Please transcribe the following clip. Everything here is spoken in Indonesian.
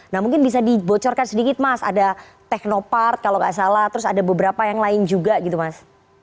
nah mungkin bisa dibocorkan sedikit mas ada teknopart kalau nggak salah terus ada beberapa yang lain juga gitu mas